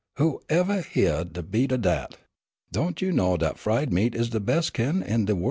Who evah hyeah de beat o' dat? Don't you know dat fried meat is de bes' kin' in de worl'?